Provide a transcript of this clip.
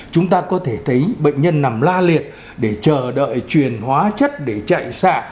chúng ta có thể thấy bệnh nhân nằm la liệt để chờ đợi truyền hóa chất để chạy xạ